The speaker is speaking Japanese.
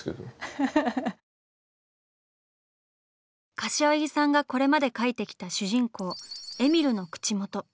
柏木さんがこれまで描いてきた主人公えみるの口元。